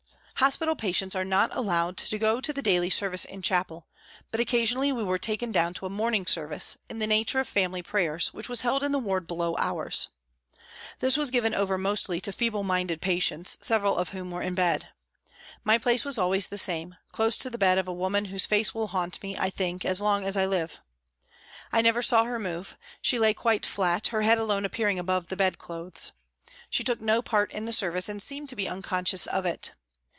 Hospital patients are not allowed to go to the daily service in chapel, but occasionally we were taken down to a morning service, in the nature of family prayers, which was held in the ward below ours. This was given over mostly to feeble minded patients, several of whom were in bed. My place was always the same, close to the bed of a woman whose face will haunt me, I think, as long as I live. I never saw her move, she lay quite flat, her head alone appearing above the bed clothes. She took no part in the service and seemed to be unconscious of it.